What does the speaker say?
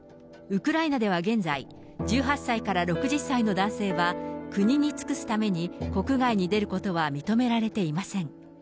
ウクライナでは現在、１８歳から６０歳の男性は、国に尽くすために国外に出ることは認められていません。